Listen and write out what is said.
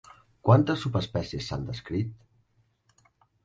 Quantes subespècies s'han descrit?